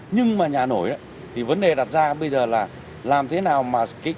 nhưng mà nhà nổi thì vấn đề đặt ra bây giờ là làm thế nào mà công nghệ